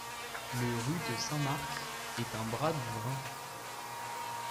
Le ru de Saint-Marc est un bras du Vrin.